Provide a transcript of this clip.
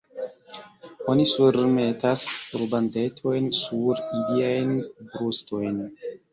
Oni surmetas rubandetojn sur iliajn brustojn?